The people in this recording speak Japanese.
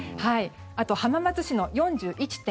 あと、浜松市の４１．１度。